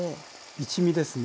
一味ですね。